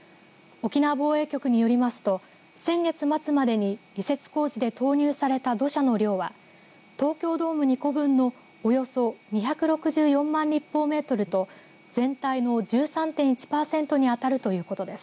沖縄防衛局によりますと先月末までに移設工事で投入された土砂の量は東京ドーム２個分のおよそ２６４万立方メートルと全体の１３．１パーセントに当たるということです。